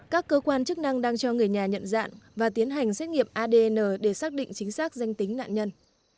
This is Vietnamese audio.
các cơ quan chức năng đang cho người nhà nhận dạng và tiến hành xét nghiệm adn để xác định chính xác danh tính nạn nhân